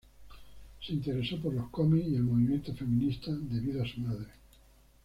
Se interesó por los cómics y el movimiento feminista debido a su madre.